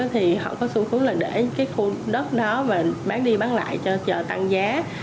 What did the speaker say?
thì họ có xu hướng là để cái khu đất đó và bán đi bán lại cho chợ tăng giá